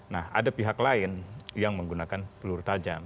nah ada pihak lain yang menggunakan peluru tajam